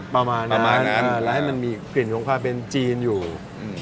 ประมาณประมาณนั้นแล้วให้มันมีกลิ่นของความเป็นจีนอยู่